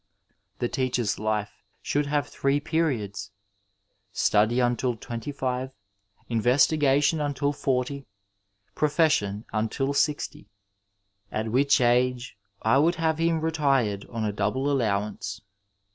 The teacher's Ufe should haTe three periods, stady tmtil tWMity*fiTe, investigation until forty, profession until sixty, at which age I would have him retired on a double allowanoe.